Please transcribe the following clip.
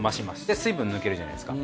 水分抜けるじゃないですか。